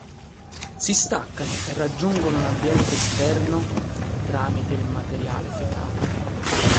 Si staccano e raggiungono l'ambiente esterno tramite il materiale fecale.